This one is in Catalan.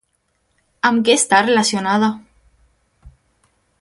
Amb què està relacionada?